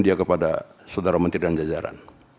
dia kepada saudara menteri dan jajaran